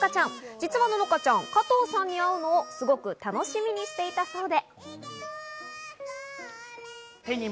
実は乃々佳ちゃん、加藤さんと会うのをすごく楽しみにしていたそうで。